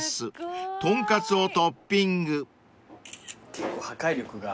結構破壊力が。